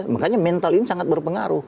makanya mental ini sangat berpengaruh